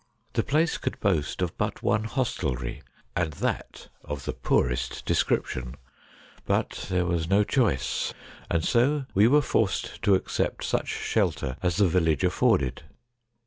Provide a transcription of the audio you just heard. The place could boast of but one hostelry, and that of the poorest description ; but there was no choice, and so we were forced to accept such shelter as the village afforded.